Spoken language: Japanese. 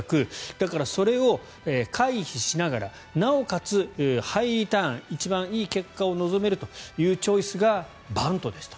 だから、それを回避しながらなおかつハイリターン一番いい結果を望めるというチョイスがバントでした。